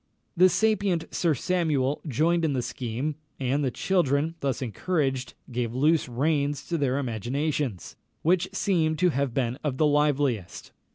The sapient Sir Samuel joined in the scheme; and the children, thus encouraged, gave loose reins to their imaginations, which seem to have been of the liveliest.